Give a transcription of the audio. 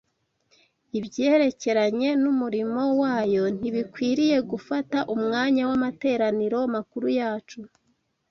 ibyerekeranye n’umurimo wayo ntibikwiriye gufata umwanya w’amateraniro makuru yacu.